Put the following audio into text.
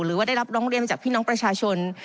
หรือว่าได้รับร้องเรียนจากพี่น้องประชาชน